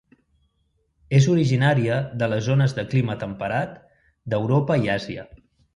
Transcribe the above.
És originària de les zones de clima temperat d'Europa i Àsia.